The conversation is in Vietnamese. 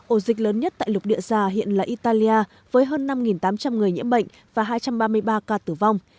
ổ dịch lớn nhất tại lục địa già hiện là italia với hơn năm tám trăm linh người nhiễm bệnh và hai trăm ba mươi ba ca tử vong